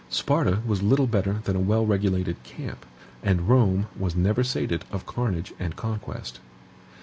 Sparta was little better than a wellregulated camp; and Rome was never sated of carnage and conquest.